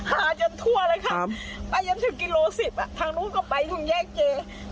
หาจนทั่วเลยครับไปจนถึงกิโลสิบทางนู้นก็ไปอยู่แยกเจ